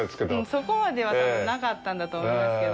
そこまでは、多分なかったんだと思いますけど。